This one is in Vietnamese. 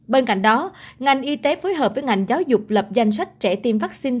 bên cạnh đó ngành y tế phối hợp với ngành giáo dục lập danh sách trẻ tiêm vaccine